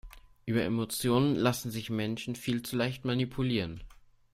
Über Emotionen lassen sich Menschen viel zu leicht manipulieren.